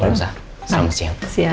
halo selamat siang